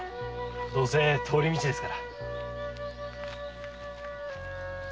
どうせ通り道ですから。